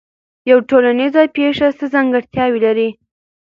یوه ټولنیزه پېښه څه ځانګړتیاوې لري؟